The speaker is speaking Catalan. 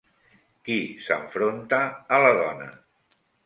Qui s'enfronta a la dona?